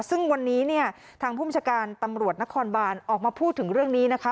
ซึ่งวันนี้เนี่ยทางภูมิชาการตำรวจนครบานออกมาพูดถึงเรื่องนี้นะคะ